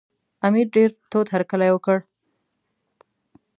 امیر ډېر تود هرکلی وکړ.